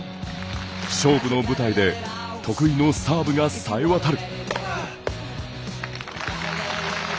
勝負の舞台で得意のサーブがさえわたる。